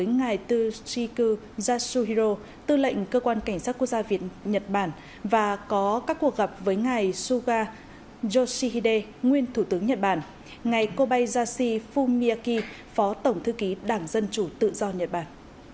ngày suga yoshihide nguyên thủ tướng nhật bản ngày kobayashi fumiaki phó tổng thư ký đảng dân chủ tự do nhật bản